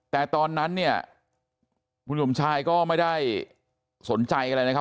แต่ตอนนั้นเนี่ยคุณสมชายก็ไม่ได้สนใจอะไรนะครับ